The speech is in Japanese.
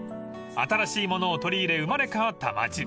［新しいものを取り入れ生まれ変わった町］